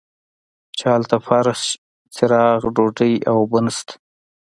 چې هلته فرش چراغ ډوډۍ او اوبه نشته.